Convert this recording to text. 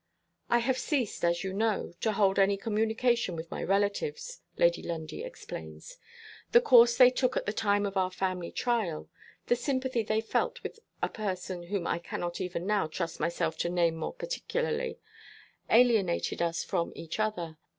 "I have ceased, as you know, to hold any communication with my relatives," Lady Lundie explains. "The course they took at the time of our family trial the sympathy they felt with a Person whom I can not even now trust myself to name more particularly alienated us from each other.